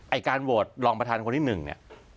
ไอ้การโดดรองประธานคนนี้หนึ่งเนี่ย